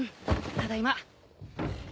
ただいま。